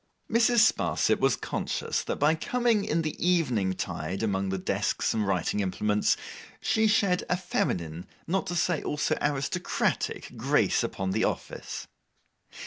Mrs. Sparsit was conscious that by coming in the evening tide among the desks and writing implements, she shed a feminine, not to say also aristocratic, grace upon the office.